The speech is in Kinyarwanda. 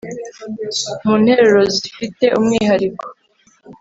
mu nterurozifite umwihariko